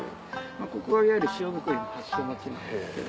ここはいわゆる塩作りの発祥の地なんですけど。